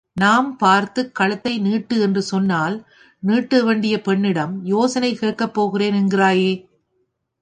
நாம் பார்த்துக் கழுத்தை நீட்டு என்று சொன்னால் நீட்டவேண்டிய பெண்ணிடம், யோசனை கேட்கப் போகிறேன் என்கிறாயே!